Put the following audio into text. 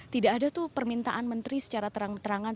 tidak ada tuh permintaan menteri secara terang terangan